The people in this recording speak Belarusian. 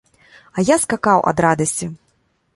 А я скакаў ад радасці.